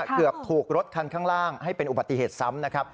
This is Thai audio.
เกือบถูกรถคันข้างล่างให้เป็นอุบัติเหตุซ้ำนะครับ